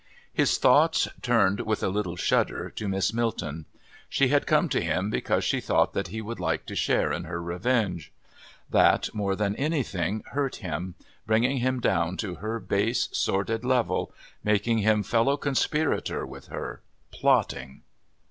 His thoughts turned, with a little shudder, to Miss Milton. She had come to him because she thought that he would like to share in her revenge. That, more than anything, hurt him, bringing him down to her base, sordid level, making him fellow conspirator with her, plotting...